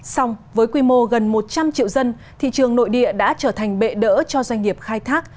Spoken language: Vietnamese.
xong với quy mô gần một trăm linh triệu dân thị trường nội địa đã trở thành bệ đỡ cho doanh nghiệp khai thác